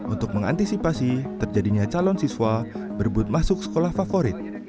untuk mengantisipasi terjadinya calon siswa berbut masuk sekolah favorit